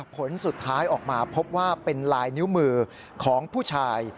ผลสุดท้ายออกมาพบว่าเป็นลายนิ้วมือของผู้ชาย